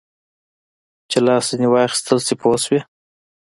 چې لاس ځینې واخیستل شي پوه شوې!.